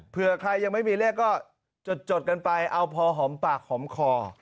เพื่อใครยังไม่มีเลขก็จดกันไปเอาพอหอมปากหอมคอ